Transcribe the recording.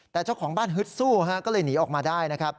แต่เจ้าของบ้านฮึดสู้ก็เลยหนีออกมาได้นะครับ